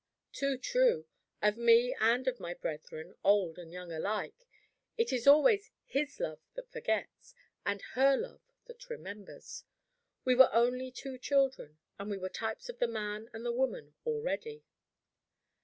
Too true, of me and of my brethren, old and young alike! It is always his love that forgets, and her love that remembers. We were only two children, and we were types of the man and the woman already.